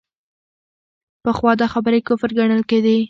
پخوا دا خبرې کفر ګڼل کېدې.